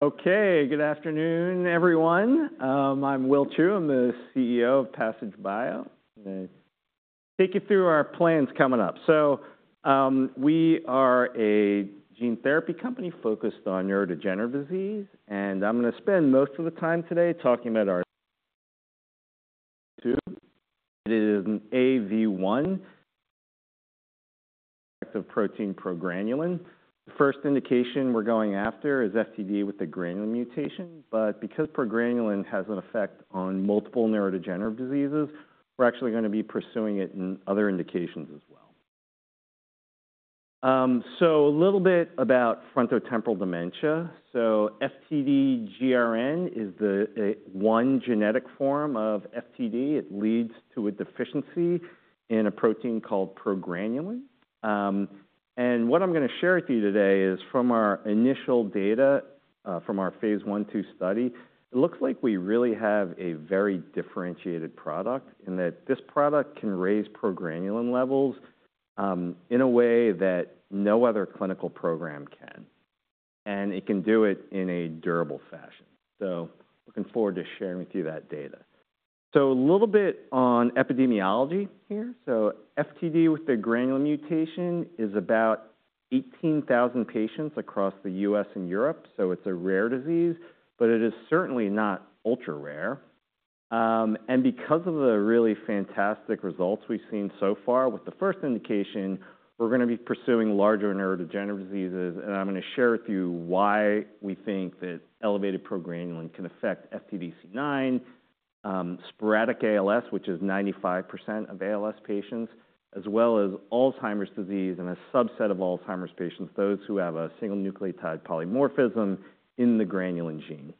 Okay, good afternoon, everyone. I'm William Chou. I'm the CEO of Passage Bio. I'll take you through our plans coming up. So, we are a gene therapy company focused on neurodegenerative disease, and I'm going to spend most of the time today talking about our PBFT02. It is an AAV1 of protein progranulin. The first indication we're going after is FTD with a GRN mutation, but because progranulin has an effect on multiple neurodegenerative diseases, we're actually going to be pursuing it in other indications as well. So a little bit about frontotemporal dementia. So FTD-GRN is the one genetic form of FTD. It leads to a deficiency in a protein called progranulin. and what I'm going to share with you today is from our initial data from our Phase I/II study, it looks like we really have a very differentiated product, and that this product can raise progranulin levels in a way that no other clinical program can. And it can do it in a durable fashion. So looking forward to sharing with you that data. So a little bit on epidemiology here. So FTD with the GRN mutation is about 18,000 patients across the U.S. and Europe, so it's a rare disease, but it is certainly not ultra-rare. And because of the really fantastic results we've seen so far with the first indication, we're going to be pursuing larger neurodegenerative diseases, and I'm going to share with you why we think that elevated progranulin can affect FTD-C9, sporadic ALS, which is 95% of ALS patients, as well as Alzheimer's disease and a subset of Alzheimer's patients, those who have a single nucleotide polymorphism in the granulin gene.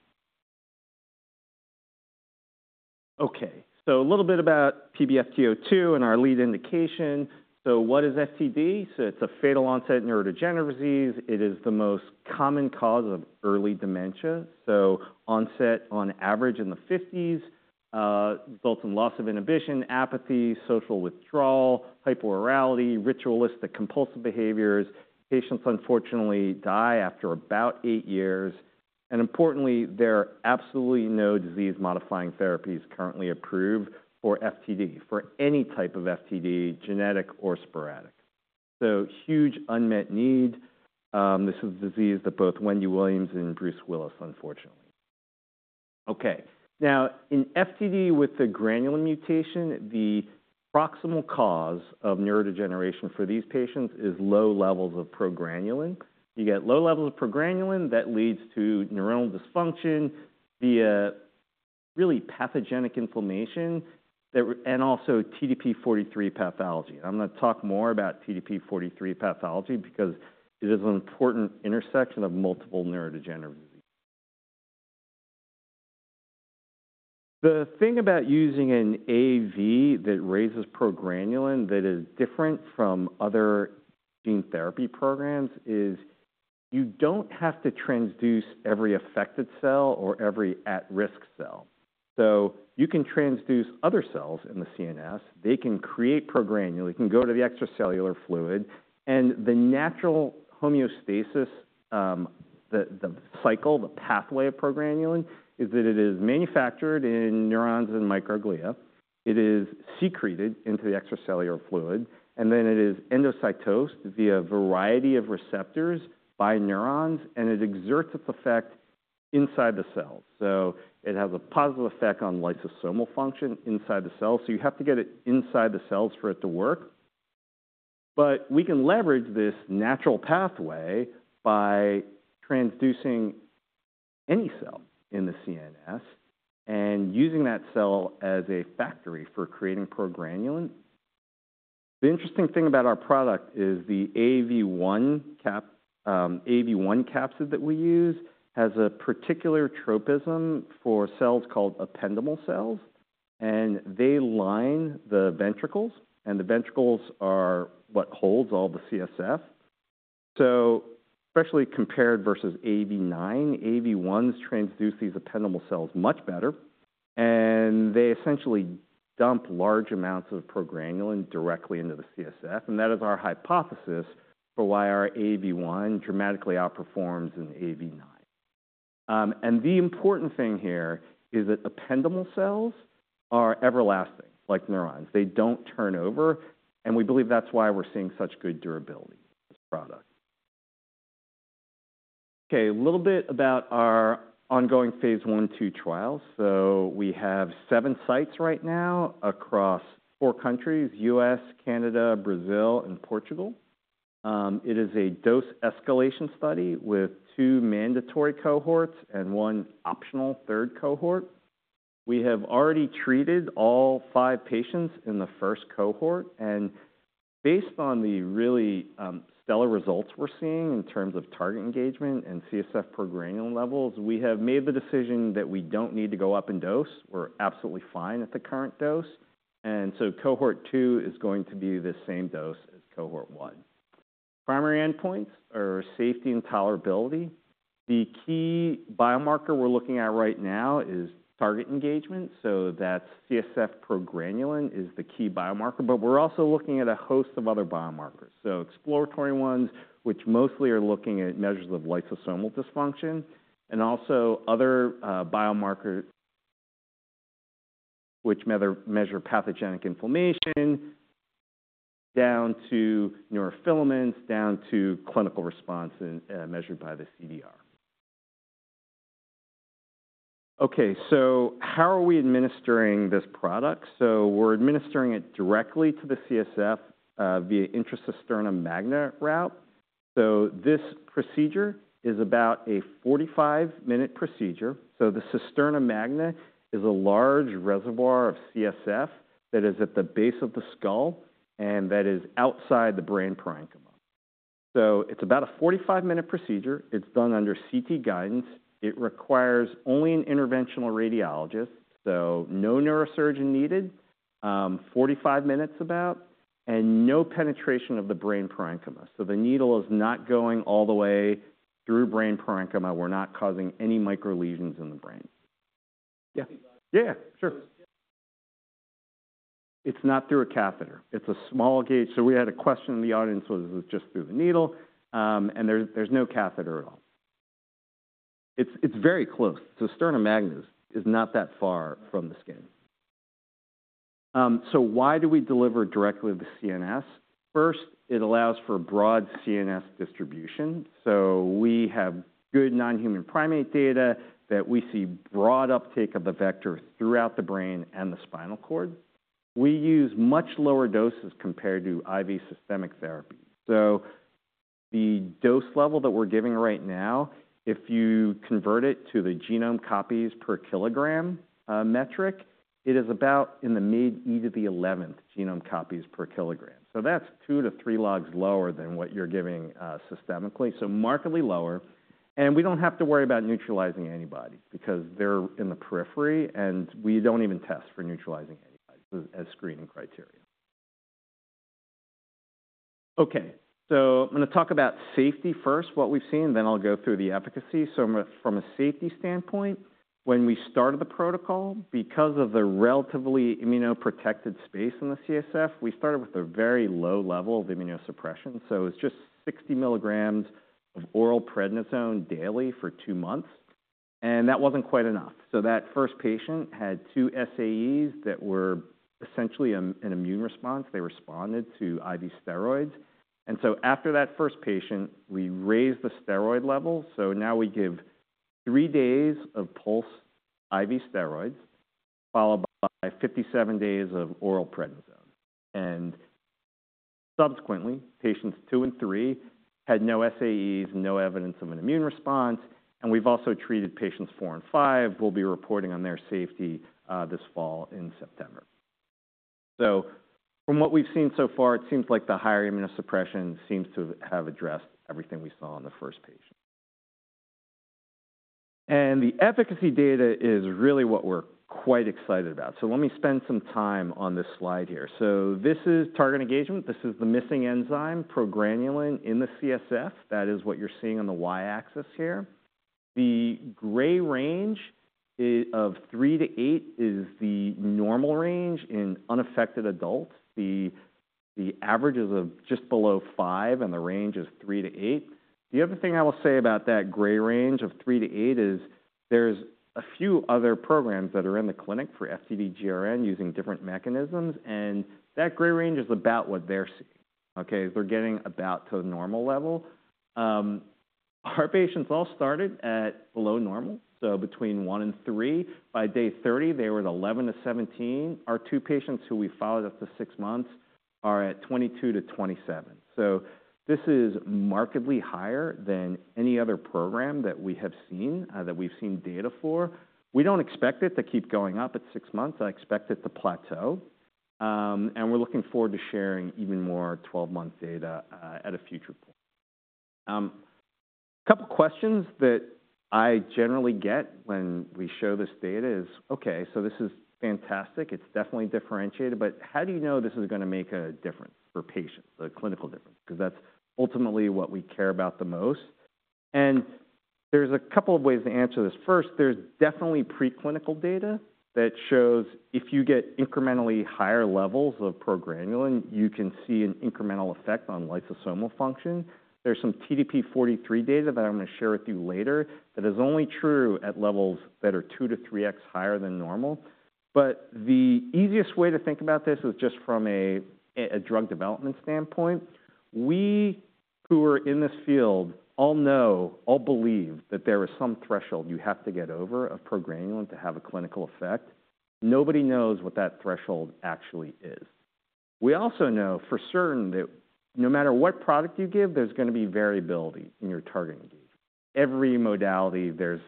Okay, so a little bit about PBFT02 and our lead indication. So what is FTD? So it's a fatal onset neurodegenerative disease. It is the most common cause of early dementia, so onset on average in the 50s, results in loss of inhibition, apathy, social withdrawal, hyperorality, ritualistic compulsive behaviors. Patients unfortunately die after about 8 years. And importantly, there are absolutely no disease-modifying therapies currently approved for FTD, for any type of FTD, genetic or sporadic. Huge unmet need. This is a disease that both Wendy Williams and Bruce Willis, unfortunately. Okay. Now, in FTD with the GRN mutation, the proximal cause of neurodegeneration for these patients is low levels of progranulin. You get low levels of progranulin, that leads to neuronal dysfunction via really pathogenic inflammation that and also TDP-43 pathology. I'm going to talk more about TDP-43 pathology because it is an important intersection of multiple neurodegenerative diseases. The thing about using an AAV that raises progranulin that is different from other Gene Therapy Program is you don't have to transduce every affected cell or every at-risk cell. So you can transduce other cells in the CNS, they can create progranulin, it can go to the extracellular fluid, and the natural homeostasis, the cycle, the pathway of progranulin, is that it is manufactured in neurons and microglia. It is secreted into the extracellular fluid, and then it is endocytosed via a variety of receptors by neurons, and it exerts its effect inside the cell. It has a positive effect on lysosomal function inside the cell. You have to get it inside the cells for it to work. We can leverage this natural pathway by transducing any cell in the CNS and using that cell as a factory for creating progranulin. The interesting thing about our product is the AAV1 cap, AAV1 capsid that we use has a particular tropism for cells called ependymal cells, and they line the ventricles, and the ventricles are what holds all the CSF. So especially compared versus AAV9, AAV1s transduce these ependymal cells much better, and they essentially dump large amounts of progranulin directly into the CSF, and that is our hypothesis for why our AAV1 dramatically outperforms an AAV9. And the important thing here is that ependymal cells are everlasting, like neurons. They don't turn over, and we believe that's why we're seeing such good durability with this product. Okay, a little bit about our ongoing phase I/II trials. So we have 7 sites right now across 4 countries: U.S., Canada, Brazil, and Portugal. It is a dose escalation study with 2 mandatory cohorts and 1 optional third cohort. We have already treated all five patients in the first cohort, and based on the really stellar results we're seeing in terms of target engagement and CSF progranulin levels, we have made the decision that we don't need to go up in dose. We're absolutely fine at the current dose, and so cohort two is going to be the same dose as cohort one. Primary endpoints are safety and tolerability. The key biomarker we're looking at right now is target engagement, so that's CSF progranulin is the key biomarker, but we're also looking at a host of other biomarkers. So exploratory ones, which mostly are looking at measures of lysosomal dysfunction, and also other biomarkers which measure pathogenic inflammation, down to neurofilaments, down to clinical response and measured by the CDR. Okay, so how are we administering this product? So we're administering it directly to the CSF via intracisterna magna route. So this procedure is about a 45-minute procedure. So the cisterna magna is a large reservoir of CSF that is at the base of the skull and that is outside the brain parenchyma. So it's about a 45-minute procedure. It's done under CT guidance. It requires only an interventional radiologist, so no neurosurgeon needed, 45 minutes about, and no penetration of the brain parenchyma. So the needle is not going all the way through brain parenchyma. We're not causing any micro lesions in the brain. Yeah. Yeah, yeah, sure. It's not through a catheter. It's a small gauge. So we had a question in the audience, was it just through the needle? And there's no catheter at all. It's very close. So cisterna magna is not that far from the skin. So why do we deliver directly to the CNS? First, it allows for a broad CNS distribution. So we have good non-human primate data that we see broad uptake of the vector throughout the brain and the spinal cord. We use much lower doses compared to IV systemic therapy. So the dose level that we're giving right now, if you convert it to the genome copies per kilogram, metric, it is about in the mid-10^11 genome copies per kilogram. So that's two to three logs lower than what you're giving, systemically. So markedly lower, and we don't have to worry about neutralizing anybody because they're in the periphery, and we don't even test for neutralizing anybody as screening criteria. Okay, so I'm going to talk about safety first, what we've seen, then I'll go through the efficacy. From a safety standpoint, when we started the protocol, because of the relatively immunoprotected space in the CSF, we started with a very low level of immunosuppression, so it's just 60 mg of oral prednisone daily for 2 months, and that wasn't quite enough. So that first patient had 2 SAEs that were essentially an immune response. They responded to IV steroids. And so after that first patient, we raised the steroid level, so now we give 3 days of pulse IV steroids, followed by 57 days of oral prednisone. And subsequently, patients 2 and 3 had no SAEs, no evidence of an immune response, and we've also treated patients 4 and 5. We'll be reporting on their safety this fall in September. So from what we've seen so far, it seems like the higher immunosuppression seems to have addressed everything we saw on the first page. And the efficacy data is really what we're quite excited about. So let me spend some time on this slide here. So this is target engagement. This is the missing enzyme, progranulin, in the CSF. That is what you're seeing on the Y-axis here. The gray range of 3-8 is the normal range in unaffected adults. The average is just below 5, and the range is 3-8. The other thing I will say about that gray range of 3-8 is there's a few other programs that are in the clinic for FTD-GRN using different mechanisms, and that gray range is about what they're seeing. Okay? They're getting about to the normal level. Our patients all started at below normal, so between 1 and 3. By day 30, they were at 11 to 17. Our two patients who we followed up to 6 months are at 22-27. So this is markedly higher than any other program that we have seen, that we've seen data for. We don't expect it to keep going up at 6 months. I expect it to plateau, and we're looking forward to sharing even more 12-month data, at a future point. A couple questions that I generally get when we show this data is, okay, so this is fantastic. It's definitely differentiated, but how do you know this is going to make a difference for patients, a clinical difference? Because that's ultimately what we care about the most. And there's a couple of ways to answer this. First, there's definitely preclinical data that shows if you get incrementally higher levels of progranulin, you can see an incremental effect on lysosomal function. There's some TDP-43 data that I'm going to share with you later, that is only true at levels that are 2x-3x higher than normal. But the easiest way to think about this is just from a drug development standpoint. We, who are in this field, all know, all believe that there is some threshold you have to get over of progranulin to have a clinical effect. Nobody knows what that threshold actually is. We also know for certain that no matter what product you give, there's going to be variability in your target engagement. Every modality, there's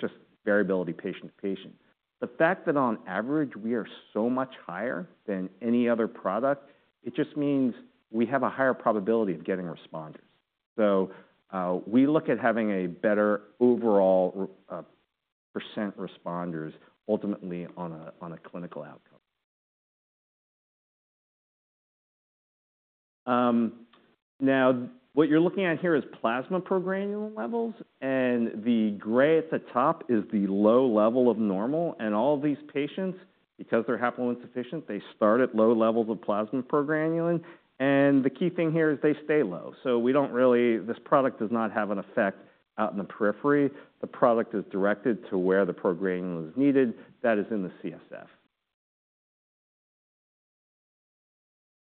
just variability patient to patient. The fact that on average, we are so much higher than any other product, it just means we have a higher probability of getting responders. So, we look at having a better overall percent responders ultimately on a clinical outcome. Now, what you're looking at here is plasma progranulin levels, and the gray at the top is the low level of normal, and all of these patients, because they're haploinsufficient, they start at low levels of plasma progranulin, and the key thing here is they stay low. So this product does not have an effect out in the periphery. The product is directed to where the progranulin is needed. That is in the CSF.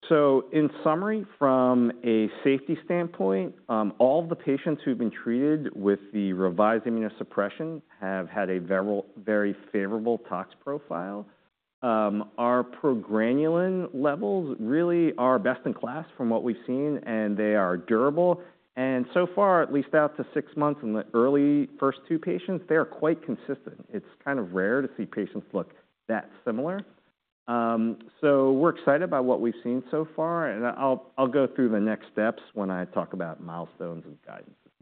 So in summary, from a safety standpoint, all the patients who've been treated with the revised immunosuppression have had a very, very favorable tox profile. Our progranulin levels really are best in class from what we've seen, and they are durable. And so far, at least out to six months in the early first two patients, they are quite consistent. It's kind of rare to see patients look that similar. So we're excited about what we've seen so far, and I'll go through the next steps when I talk about milestones and guidance at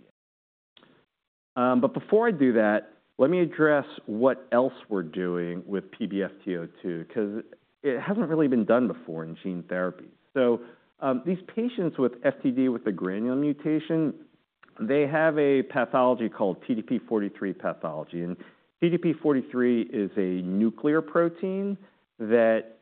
the end. But before I do that, let me address what else we're doing with PBFT02, 'cause it hasn't really been done before in gene therapy. So, these patients with FTD with a granulin mutation, they have a pathology called TDP-43 pathology, and TDP-43 is a nuclear protein that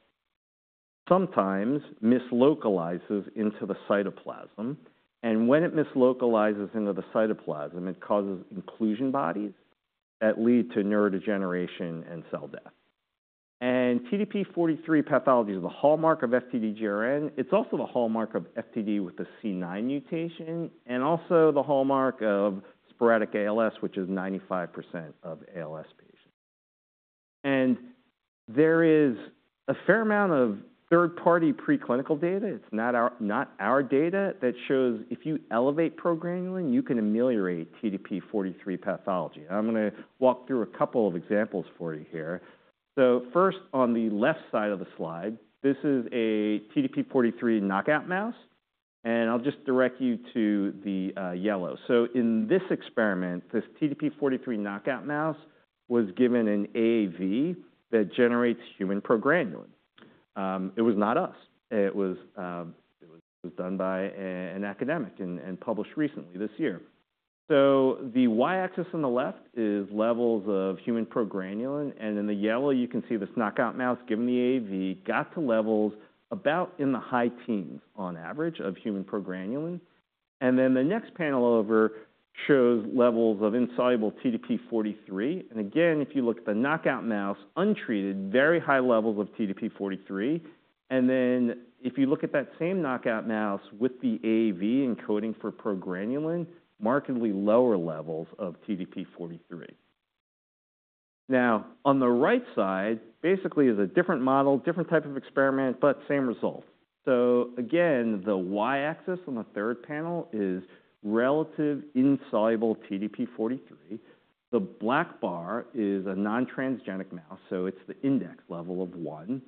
sometimes mislocalizes into the cytoplasm, and when it mislocalizes into the cytoplasm, it causes inclusion bodies that lead to neurodegeneration and cell death. TDP-43 pathology is a hallmark of FTD-GRN. It's also the hallmark of FTD with the C9 mutation, and also the hallmark of sporadic ALS, which is 95% of ALS patients. There is a fair amount of third-party preclinical data, it's not our, not our data, that shows if you elevate progranulin, you can ameliorate TDP-43 pathology. I'm gonna walk through a couple of examples for you here. First, on the left side of the slide, this is a TDP-43 knockout mouse, and I'll just direct you to the yellow. In this experiment, this TDP-43 knockout mouse was given an AAV that generates human progranulin. It was not us. It was done by an academic and published recently this year. So the y-axis on the left is levels of human progranulin, and in the yellow, you can see this knockout mouse given the AAV, got to levels about in the high teens on average of human progranulin. And then the next panel over shows levels of insoluble TDP-43. And again, if you look at the knockout mouse, untreated, very high levels of TDP-43. And then if you look at that same knockout mouse with the AAV encoding for progranulin, markedly lower levels of TDP-43. Now, on the right side, basically is a different model, different type of experiment, but same result. So again, the y-axis on the third panel is relative insoluble TDP-43. The black bar is a non-transgenic mouse, so it's the index level of one.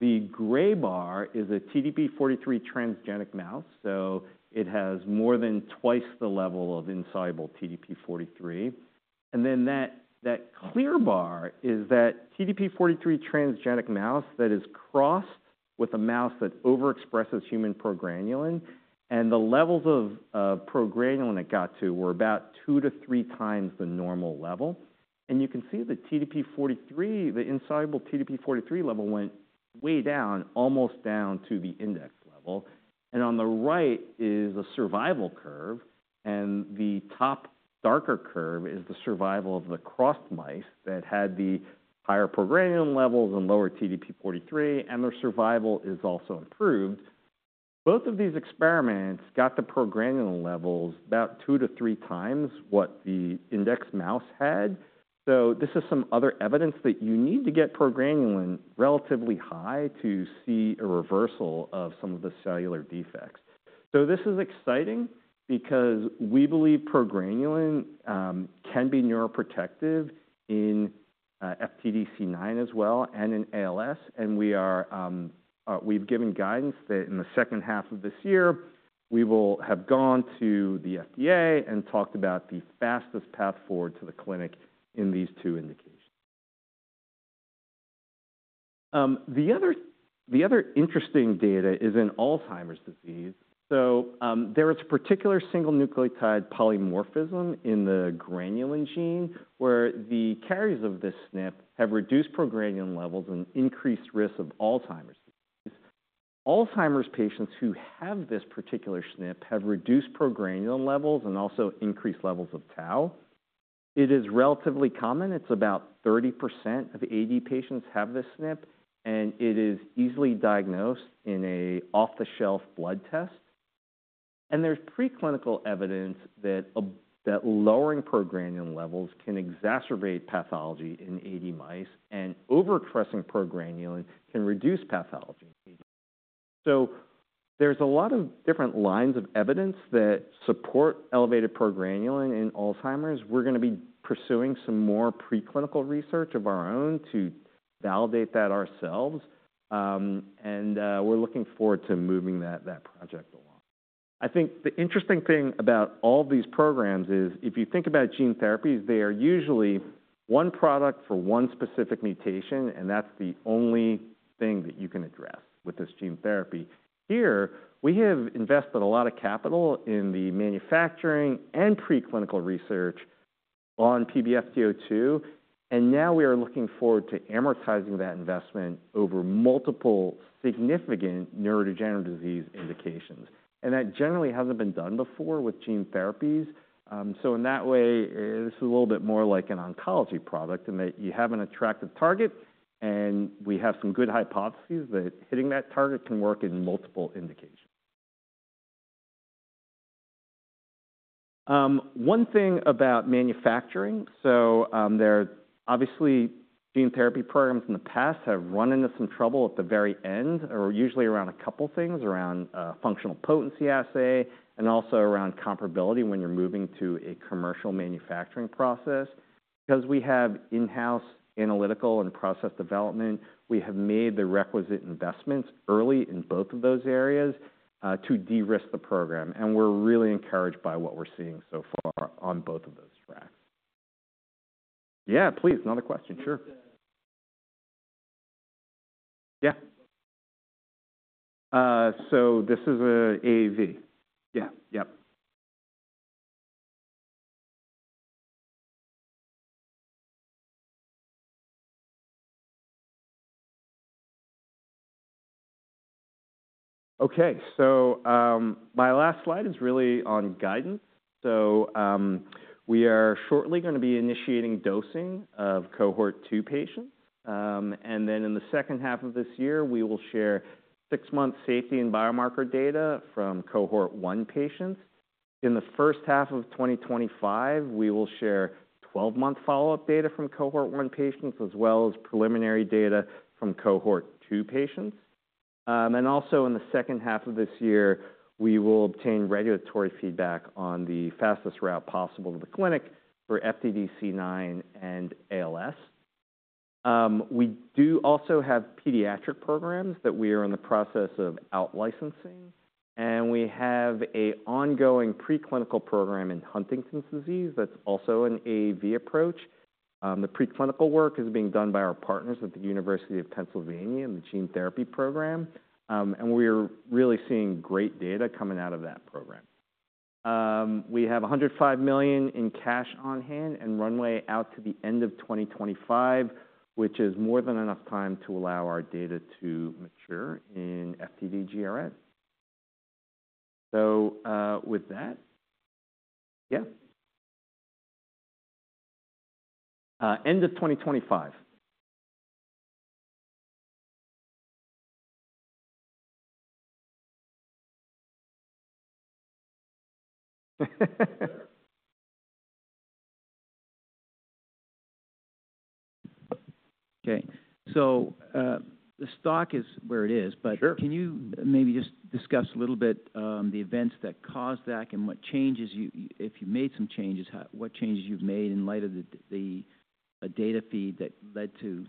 The gray bar is a TDP-43 transgenic mouse, so it has more than twice the level of insoluble TDP-43. Then that clear bar is that TDP-43 transgenic mouse that is crossed with a mouse that overexpresses human progranulin, and the levels of progranulin it got to were about 2x-3x the normal level. And you can see the TDP-43, the insoluble TDP-43 level, went way down, almost down to the index level. And on the right is a survival curve, and the top darker curve is the survival of the crossed mice that had the higher progranulin levels and lower TDP-43, and their survival is also improved. Both of these experiments got the progranulin levels about 2x-3x what the index mouse had. So this is some other evidence that you need to get progranulin relatively high to see a reversal of some of the cellular defects. So this is exciting because we believe progranulin can be neuroprotective in FTD-C9orf72 as well, and in ALS, and we've given guidance that in the second half of this year, we will have gone to the FDA and talked about the fastest path forward to the clinic in these two indications. The other interesting data is in Alzheimer's disease. So, there is a particular single nucleotide polymorphism in the progranulin gene, where the carriers of this SNP have reduced progranulin levels and increased risk of Alzheimer's disease. Alzheimer's patients who have this particular SNP have reduced progranulin levels and also increased levels of tau. It is relatively common. It's about 30% of AD patients have this SNP, and it is easily diagnosed in an off-the-shelf blood test. There's preclinical evidence that lowering progranulin levels can exacerbate pathology in AD mice, and overexpressing progranulin can reduce pathology in AD mice. So there's a lot of different lines of evidence that support elevated progranulin in Alzheimer's. We're gonna be pursuing some more preclinical research of our own to validate that ourselves, and we're looking forward to moving that project along. I think the interesting thing about all these programs is if you think about gene therapies, they are usually one product for one specific mutation, and that's the only thing that you can address with this gene therapy. Here, we have invested a lot of capital in the manufacturing and preclinical research on PBFT02, and now we are looking forward to amortizing that investment over multiple significant neurodegenerative disease indications. That generally hasn't been done before with gene therapies. So in that way, it's a little bit more like an oncology product, in that you have an attractive target, and we have some good hypotheses that hitting that target can work in multiple indications. One thing about manufacturing, so there are obviously Gene Therapy Programs in the past have run into some trouble at the very end, or usually around a couple things, around functional potency assay and also around comparability when you're moving to a commercial manufacturing process. Because we have in-house analytical and process development, we have made the requisite investments early in both of those areas to de-risk the program, and we're really encouraged by what we're seeing so far on both of those tracks. Yeah, please, another question. Sure. Yeah. So this is AAV. Yeah. Yep. Okay, so my last slide is really on guidance. So, we are shortly going to be initiating dosing of cohort two patients. And then in the second half of this year, we will share six months safety and biomarker data from cohort one patients. In the first half of 2025, we will share 12-month follow-up data from cohort one patients, as well as preliminary data from cohort two patients. And also in the second half of this year, we will obtain regulatory feedback on the fastest route possible to the clinic for FTD-C9 and ALS. We do also have pediatric programs that we are in the process of out-licensing, and we have an ongoing preclinical program in Huntington's disease that's also an AAV approach. The preclinical work is being done by our partners at the University of Pennsylvania in the Gene Therapy Program, and we are really seeing great data coming out of that program. We have $105 million in cash on hand and runway out to the end of 2025, which is more than enough time to allow our data to mature in FTD-GRN. So, with that, yeah. End of 2025. Okay, so, the stock is where it is. Sure. But can you maybe just discuss a little bit, the events that caused that and what changes you. If you made some changes, how, what changes you've made in light of the data feed that led to,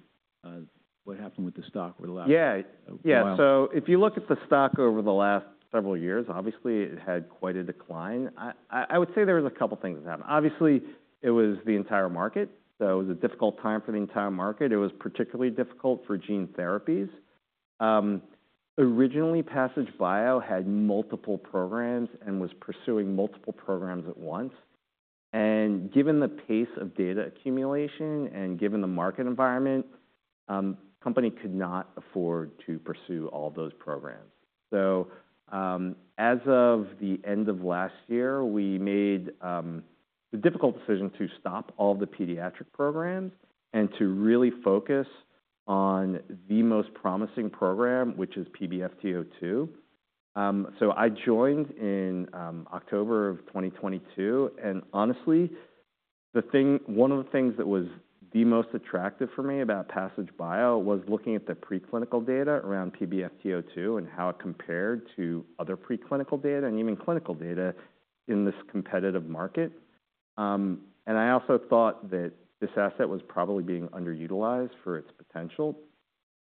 what happened with the stock over the last. Yeah. While. Yeah, so if you look at the stock over the last several years, obviously, it had quite a decline. I would say there was a couple of things that happened. Obviously, it was the entire market, so it was a difficult time for the entire market. It was particularly difficult for gene therapies. Originally, Passage Bio had multiple programs and was pursuing multiple programs at once. And given the pace of data accumulation and given the market environment, company could not afford to pursue all those programs. So, as of the end of last year, we made the difficult decision to stop all the pediatric programs and to really focus on the most promising program, which is PBFT02. So I joined in October of 2022, and honestly, one of the things that was the most attractive for me about Passage Bio was looking at the preclinical data around PBFT02 and how it compared to other preclinical data, and even clinical data in this competitive market. And I also thought that this asset was probably being underutilized for its potential.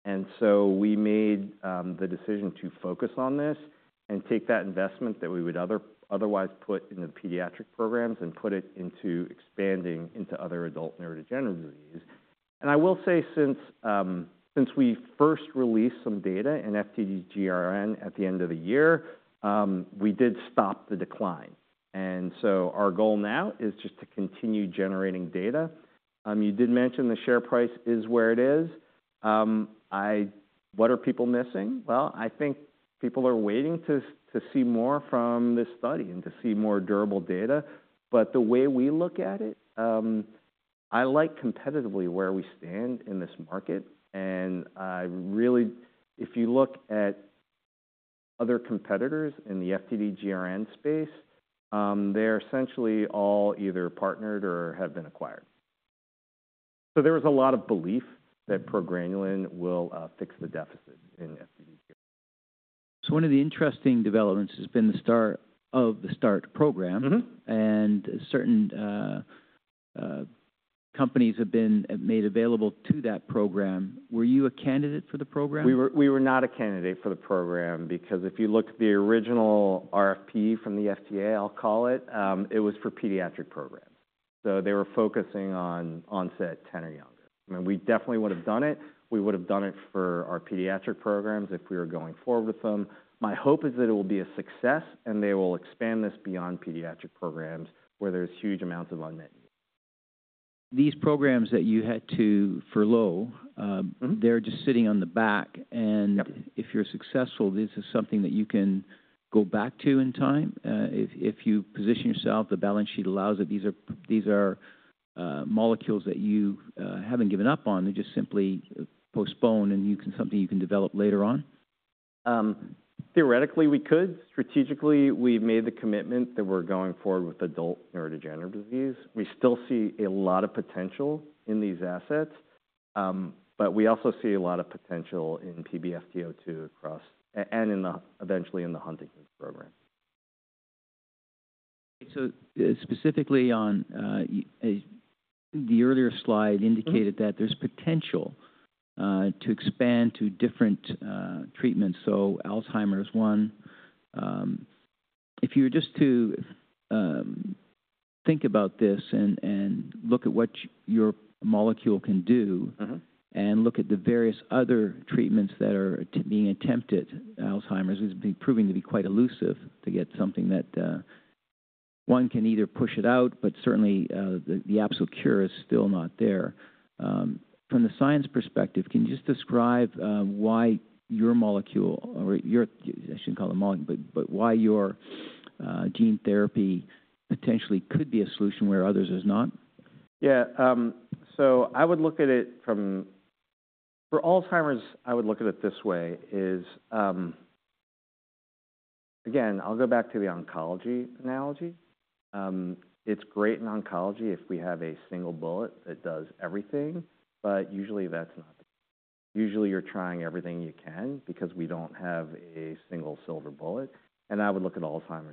And so we made the decision to focus on this and take that investment that we would otherwise put in the pediatric programs and put it into expanding into other adult neurodegenerative disease. And I will say since we first released some data in FTD-GRN at the end of the year, we did stop the decline, and so our goal now is just to continue generating data. You did mention the share price is where it is. What are people missing? Well, I think people are waiting to see more from this study and to see more durable data. But the way we look at it, I like competitively where we stand in this market, and I really. If you look at other competitors in the FTD-GRN space, they're essentially all either partnered or have been acquired. So there is a lot of belief that progranulin will fix the deficit in FTD-GRN. One of the interesting developments has been the start of the START program. Mm-hmm. Certain companies have been made available to that program. Were you a candidate for the program? We were not a candidate for the program because if you look at the original RFP from the FDA, I'll call it, it was for pediatric programs. So they were focusing on onset 10 or younger. I mean, we definitely would have done it. We would have done it for our pediatric programs if we were going forward with them. My hope is that it will be a success, and they will expand this beyond pediatric programs where there's huge amounts of unmet need. These programs that you had to furlough, Mm-hmm. They're just sitting on the back, and Yep. If you're successful, this is something that you can go back to in time? If, if you position yourself, the balance sheet allows it, these are, these are, molecules that you, haven't given up on. They're just simply postponed and you can, something you can develop later on? Theoretically, we could. Strategically, we've made the commitment that we're going forward with adult neurodegenerative disease. We still see a lot of potential in these assets, but we also see a lot of potential in PBFT02 across and in the, eventually in the Huntington's program. So specifically on the earlier slide. Mm-hmm Indicated that there's potential to expand to different treatments, so Alzheimer's one. If you were just to think about this and look at what your molecule can do. Mm-hmm And look at the various other treatments that are being attempted. Alzheimer's is proving to be quite elusive to get something that one can either push it out, but certainly the absolute cure is still not there. From the science perspective, can you just describe why your molecule or your—I shouldn't call it molecule, but why your gene therapy potentially could be a solution where others is not? Yeah, so I would look at it from—for Alzheimer's, I would look at it this way, is, again, I'll go back to the oncology analogy. It's great in oncology if we have a single bullet that does everything, but usually that's not the case. Usually, you're trying everything you can because we don't have a single silver bullet, and I would look at Alzheimer's.